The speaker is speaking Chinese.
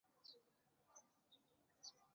后为西突厥占据。